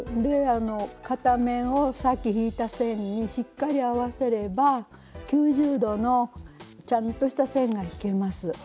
片面をさっき引いた線にしっかり合わせれば９０度のちゃんとした線が引けます。